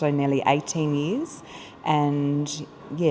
ở việt nam